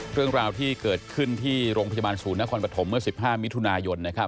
เรื่องราวที่เกิดขึ้นที่โรงพยาบาลศูนย์นครปฐมเมื่อ๑๕มิถุนายน